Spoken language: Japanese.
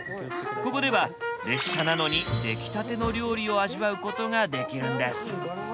ここでは列車なのに出来たての料理を味わうことができるんです。